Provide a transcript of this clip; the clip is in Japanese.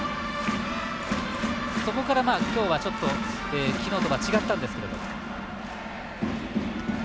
そこから今日は昨日とは違ったんですけれど。